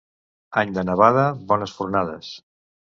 Any de nevada, bones fornades.